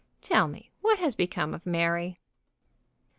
Tell me what has become of Mary."